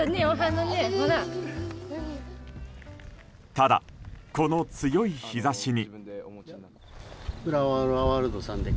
ただ、この強い日差しに。